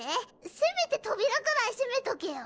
せめて扉くらい閉めとけよ。